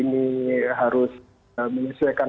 ini hal hal yang harus disesuaikan